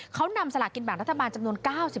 เขานำสลากินแบ่งรัฐบาลจำนวน๙๕